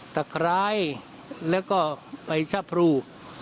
ตะคร้ายแล้วก็ไพรชะพรู